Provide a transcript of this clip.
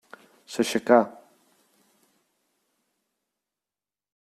S'aixecà.